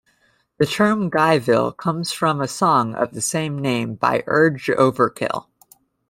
The term "Guyville" comes from a song of the same name by Urge Overkill.